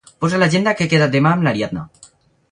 Posa a l'agenda que he quedat demà amb l'Ariadna.